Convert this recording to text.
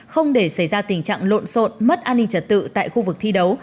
không để xảy ra tình trạng lộn xộn mất an ninh trật tự tại khu vực thi đấu